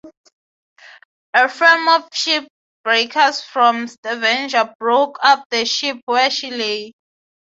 A firm of shipbreakers from Stavanger broke up the ship where she lay.